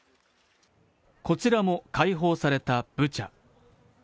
こちらも解放されたブチャ。